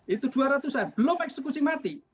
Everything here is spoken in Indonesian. itu dua ratus an belum eksekusi mati